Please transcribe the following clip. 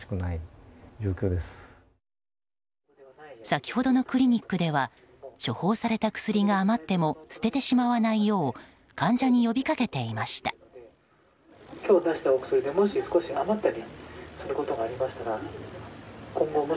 先ほどのクリニックでは処方された薬が余っても捨ててしまわないよう患者に呼びかけていました。